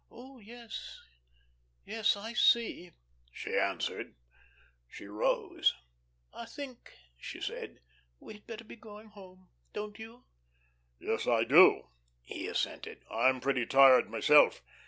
"Oh, yes, yes, I see," she answered. She rose. "I think," she said, "we had better be going home. Don't you?" "Yes, I do," he assented. "I'm pretty tired myself.